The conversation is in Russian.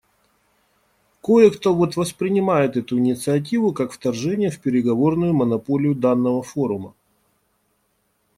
Кое-то вот воспринимает эту инициативу как вторжение в переговорную монополию данного форума.